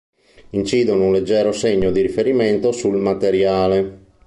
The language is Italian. Incidono un leggero segno di riferimento sul materiale.